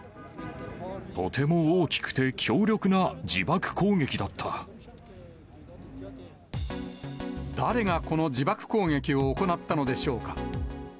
とても大きくて強力な自爆攻誰がこの自爆攻撃を行ったのでしょうか。